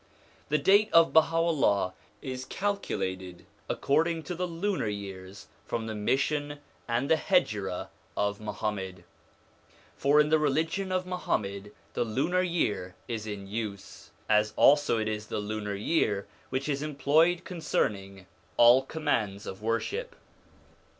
The date of Baha'u'llah is calculated according to lunar years from the mission and the Hejira of Muhammad; for in the religion of Muhammad the lunar year is in use, as also it is the lunar year which is employed concerning all commands of worship.